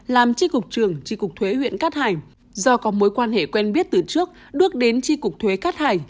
làm tri cục trường tri cục thuế huyện cát hải do có mối quan hệ quen biết từ trước bước đến tri cục thuế cát hải